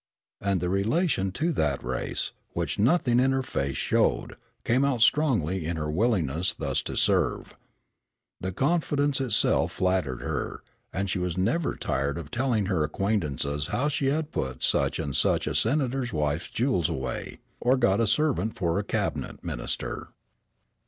And the relation to that race, which nothing in her face showed, came out strongly in her willingness thus to serve. The confidence itself flattered her, and she was never tired of telling her acquaintances how she had put such and such a senator's wife's jewels away, or got a servant for a cabinet minister.